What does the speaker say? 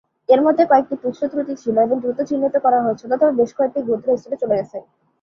এর মধ্যে কয়েকটি তুচ্ছ ত্রুটি ছিল এবং দ্রুত চিহ্নিত করা হয়েছিল, তবে বেশ কয়েকটি গুরুতর স্তরে চলে গেছে।